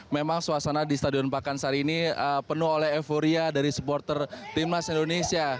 memang suasana di stadion pakansari ini penuh oleh euforia dari supporter timnas indonesia